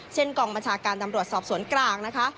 กองบัญชาการตำรวจสอบสวนกลางนะคะ